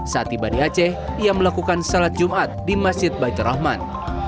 saat tiba di aceh ia melakukan salat jumat di masjid baitur rahman